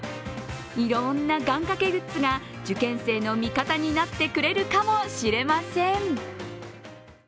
いろんな願かけグッズが受験生の味方になってくれるかもしれません。